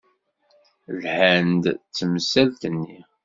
Lhan-d s temsalt-nni.